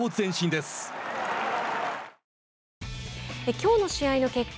きょうの試合の結果